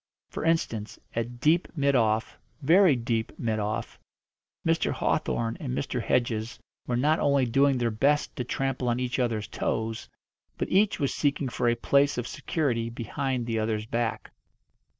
For instance, at deep mid off very deep mid off Mr. Hawthorn and Mr. Hedges were not only doing their best to trample on each other's toes, but each was seeking for a place of security behind the other's back.